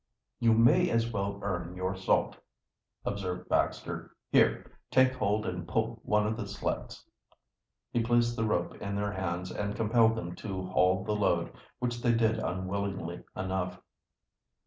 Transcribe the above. "You may as well earn your salt," observed Baxter. "Here, take hold and pull one of the sleds." He placed the rope in their hands and compelled them to haul the load, which they did unwillingly enough.